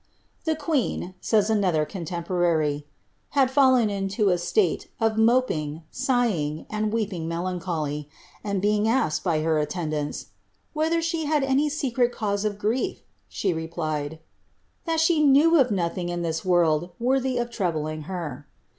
''^ The queen," says another contemporary, ^ had fallen into a ataie of moping, sighing, and weeping melancholy ; and being asked, by her attendants, ^ Whether she had any secret cause of grief ?' she re plied, ^ that she knew of nothing in this world worthy of troubling her.'